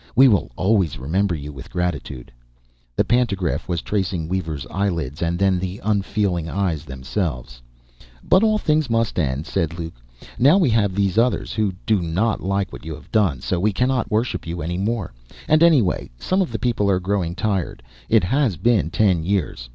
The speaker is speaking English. We will always remember You with gratitude." The pantograph was tracing Weaver's eyelids, and then the unfeeling eyes themselves. "But all things must end," said Luke. "Now we have these others, who do not like what you have done, so we cannot worship you any more. And anyway, some of the people are growing tired. It has been ten years.